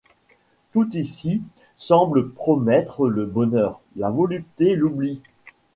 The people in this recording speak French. Tout ici semble promettre le bonheur, la volupté, l'oubli.